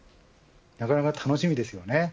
なかなか楽しみですよね。